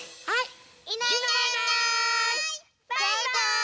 はい。